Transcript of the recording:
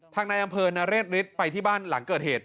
ทางนายอำเภอนรกฤตไปที่บ้านหลังเกิดเหตุ